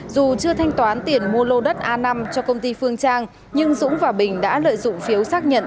dù chưa thanh toán tiền mua lô đất a năm cho công ty phương trang nhưng dũng và bình đã lợi dụng phiếu xác nhận